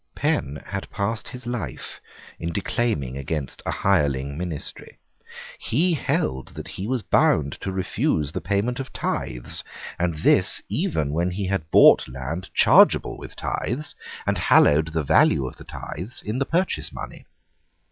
Penn had passed his life in declaiming against a hireling ministry. He held that he was bound to refuse the payment of tithes, and this even when he had bought land chargeable with tithes, and hallowed the value of the tithes in the purchase money.